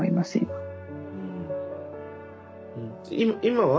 今は？